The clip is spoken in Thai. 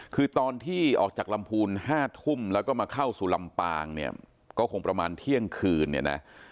คือตอนที่ออกจากลำพูน๕ทุ่มแล้วก็มาเข้าสู่ลำปลาก็คงประมาณเที่ยงคืน